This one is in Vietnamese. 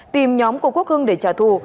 tìm nhóm của quốc hưng để trả thù